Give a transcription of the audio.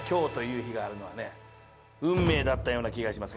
運命だったような気がします